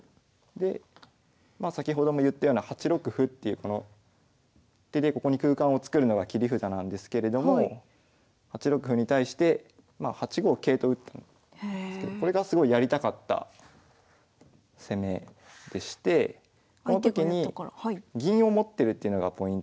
でまあ先ほども言ったような８六歩っていうこの手でここに空間を作るのが切り札なんですけれども８六歩に対してまあ８五桂と打ったんですけどこれがすごいやりたかった攻めでしてこのときに銀を持ってるっていうのがポイントで。